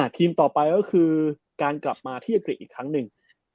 ทีมต่อไปก็คือการกลับมาที่อังกฤษอีกครั้งหนึ่ง